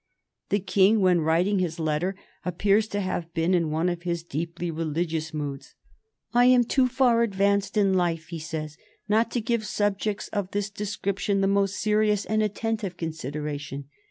The King, when writing this letter, appears to have been in one of his deeply religious moods. "I am too far advanced in life," he says, "not to give subjects of this description the most serious and attentive consideration.